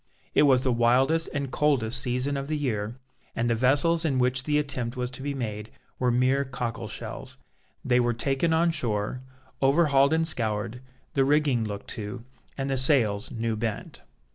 It was the wildest and coldest season of the year, and the vessels in which the attempt was to be made were mere cockle shells. They were taken on shore, overhauled and scoured, the rigging looked to, and the sails new bent.